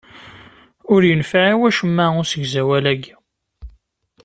Ur yenfiɛ i wacemma usegzawal-aki.